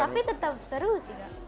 tapi tetap seru sih